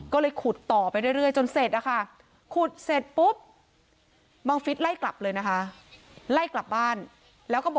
เดี๋ยวผมจะได้รากมัวไปเรียงไว้ได้ไงครับครับเขาอ้างว่าแบบนั้น